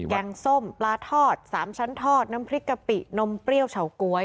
งส้มปลาทอด๓ชั้นทอดน้ำพริกกะปินมเปรี้ยวเฉาก๊วย